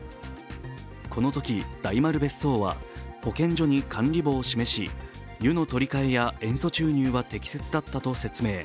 このとき大丸別荘は保健所に管理簿を示し湯の取り換えや塩素注入は適切だったと説明。